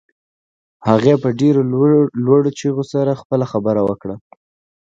هغې په ډېرو لوړو چيغو سره خپله خبره وکړه.